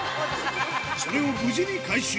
それを無事に回収。